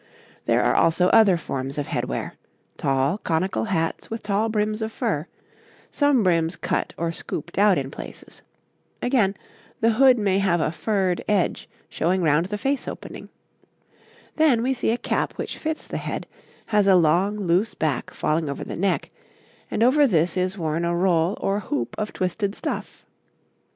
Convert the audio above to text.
There are also other forms of head wear tall, conical hats with tall brims of fur, some brims cut or scooped out in places; again, the hood may have a furred edge showing round the face opening; then we see a cap which fits the head, has a long, loose back falling over the neck, and over this is worn a roll or hoop of twisted stuff.